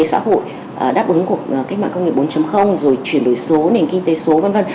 yêu cầu phát triển kinh tế xã hội đáp ứng của cách mạng công nghiệp bốn rồi chuyển đổi số nền kinh tế số v v